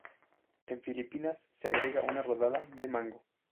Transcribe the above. En Filipinas, se agrega una rodaja de mango.